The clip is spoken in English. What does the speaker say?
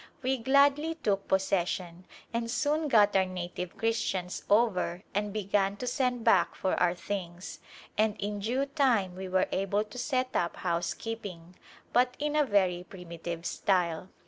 We gladly took possession and soon got our native Christians over and began to send back for our things, and in due time we were able to set up housekeeping, but in a very primitive style.